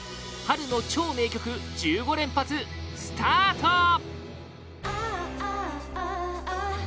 春の超名曲１５連発スタート